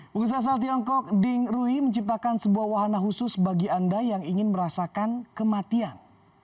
pengusaha asal tiongkok ding rui menciptakan sebuah wahana khusus bagi anda yang ingin merasakan kematian